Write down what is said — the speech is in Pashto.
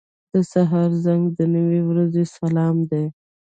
• د سهار زنګ د نوې ورځې سلام دی.